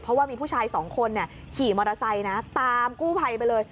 เพราะว่ามีผู้ชายสองคนขี่มอเตอร์ไซค์นะตามกู้ภัยไปเลย